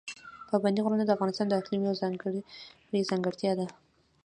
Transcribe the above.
پابندي غرونه د افغانستان د اقلیم یوه ځانګړې ځانګړتیا ده.